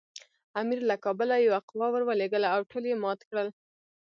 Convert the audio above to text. امیر له کابله یوه قوه ورولېږله او ټول یې مات کړل.